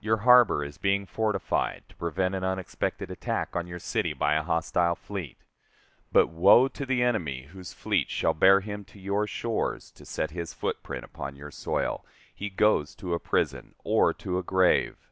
Your harbor is being fortified, to prevent an unexpected attack on your city by a hostile fleet. But woe to the enemy whose fleet shall bear him to your shores to set his footprint upon your soil; he goes to a prison or to a grave!